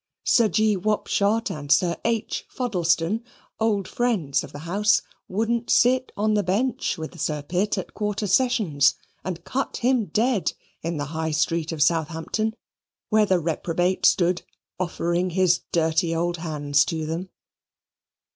Sir G. Wapshot and Sir H. Fuddlestone, old friends of the house, wouldn't sit on the bench with Sir Pitt at Quarter Sessions, and cut him dead in the High Street of Southampton, where the reprobate stood offering his dirty old hands to them.